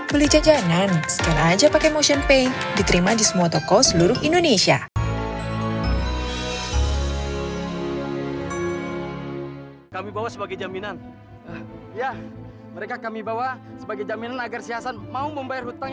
beli jajanan scan aja pakai motion pay diterima di semua toko seluruh indonesia